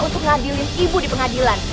untuk ngadilin ibu di pengadilan